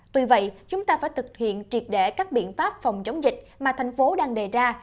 tuy vậy chúng ta phải thực hiện triệt để các biện pháp phòng chống dịch mà thành phố đang đề ra